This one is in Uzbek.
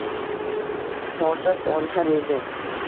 Hordiq olishar edi